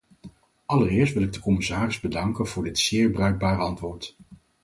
Allereerst wil ik de commissaris bedanken voor dit zeer bruikbare antwoord.